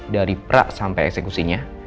dari pra sampai eksekusinya